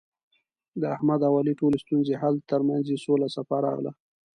د احمد او علي ټولې ستونزې حل، ترمنځ یې سوله صفا راغله.